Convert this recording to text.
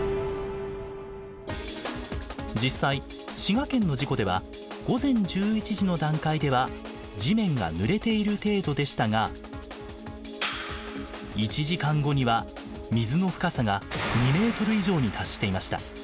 実際滋賀県の事故では午前１１時の段階では地面がぬれている程度でしたが１時間後には水の深さが２ｍ以上に達していました。